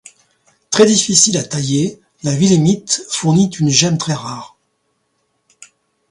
Très difficile à tailler, la willémite fournit une gemme très rare.